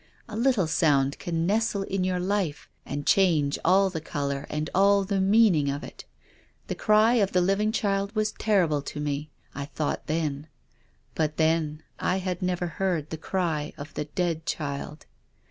A little sound can nestle in your life, and change all the colour and all the meaning of it. The cry of the living child was terrible to me, I thought then. But — then — I had never heard the cry of the dead child.